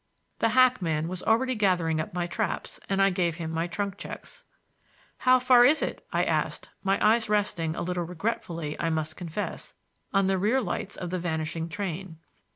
The hackman was already gathering up my traps, and I gave him my trunk checks. "How far is it?" I asked, my eyes resting, a little regretfully, I must confess, on the rear lights of the vanishing train.